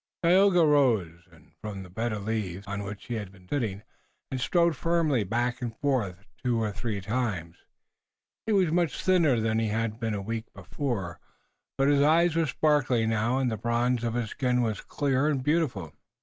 Tayoga rose from the bed of leaves, on which he had been sitting, and strode firmly back and forth two or three times. He was much thinner than he had been a week before, but his eyes were sparkling now and the bronze of his skin was clear and beautiful.